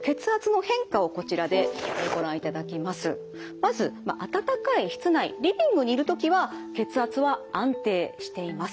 まず暖かい室内リビングにいる時は血圧は安定しています。